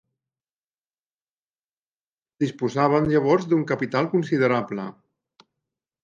Disposàvem llavors d'un capital considerable.